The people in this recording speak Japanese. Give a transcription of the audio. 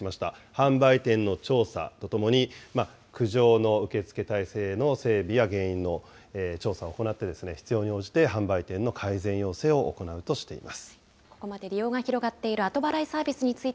販売店の調査とともに苦情の受け付け体制の整備や原因の調査を行って、必要に応じて販売店に改善要請を行うとしています。